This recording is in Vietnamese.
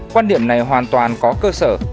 quan điểm này hoàn toàn có cơ sở